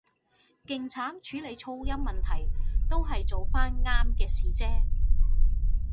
勁慘處理噪音問題，都係做返啱嘅事啫